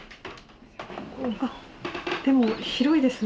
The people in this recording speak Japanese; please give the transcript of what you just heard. でも広いですね。